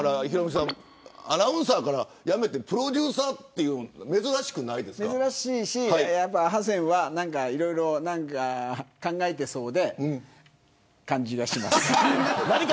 アナウンサーから辞めてプロデューサーというのは珍しいしハセンはいろいろ考えてそうでそんな感じがします。